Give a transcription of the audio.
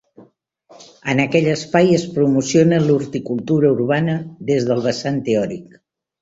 En aquell espai es promociona l'horticultura urbana des del vessant teòric.